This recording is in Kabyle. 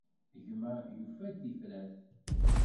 Gma yufa-d tifrat.